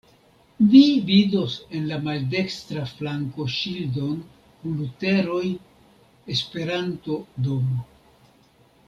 Vi vidos en la maldekstra flanko ŝildon kun literoj "Esperanto-Domo".